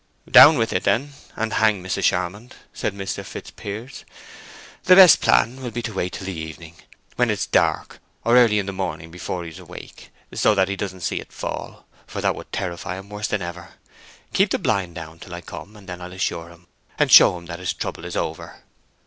"Down with it, then, and hang Mrs. Charmond," said Mr. Fitzpiers. "The best plan will be to wait till the evening, when it is dark, or early in the morning before he is awake, so that he doesn't see it fall, for that would terrify him worse than ever. Keep the blind down till I come, and then I'll assure him, and show him that his trouble is over."